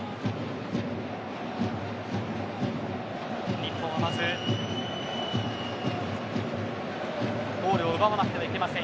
日本はまずゴールを奪わなくてはいけません。